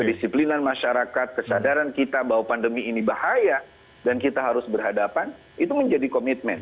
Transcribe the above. kedisiplinan masyarakat kesadaran kita bahwa pandemi ini bahaya dan kita harus berhadapan itu menjadi komitmen